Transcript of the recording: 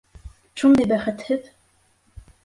Шундай бәхетһеҙ!